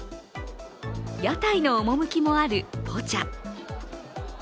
屋台の趣もあるポチャ。